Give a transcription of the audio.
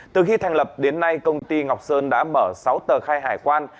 từ khi thành lập đến nay công ty ngọc sơn đã mở sáu tờ khai hải quan